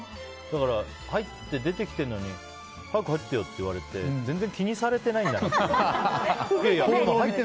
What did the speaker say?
だから入って出てきているのに早く入ってよって言われて全然気にされてないんだなって。